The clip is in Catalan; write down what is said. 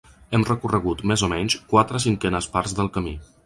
Hem recorregut més o menys quatre cinquenes parts del camí.